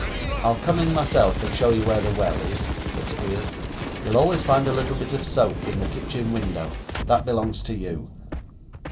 'I'll come in myself and show you where the well is,' said Squeers. 'You'll always find a little bit of soap in the kitchen window; that belongs to you.